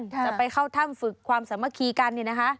จะไปเข้าถ้ำฝึกความสามารถคีกันนะคะ